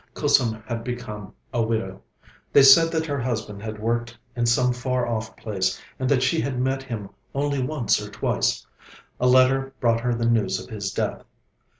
Kusum had become a widow. They said that her husband had worked in some far off place, and that she had met him only once or twice. A letter brought her the news of his death.